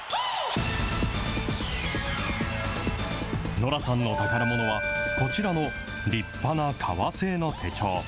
ノラさんの宝ものは、こちらの立派な革製の手帳。